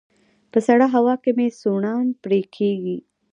په سړه هوا کې مې سوڼان پرې کيږي